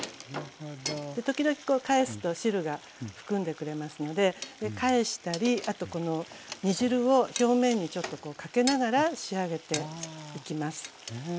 時々こう返すと汁が含んでくれますので返したりあとこの煮汁を表面にちょっとこうかけながら仕上げていきます。